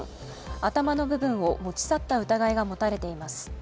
頭の部分を持ち去った疑いが持たれています。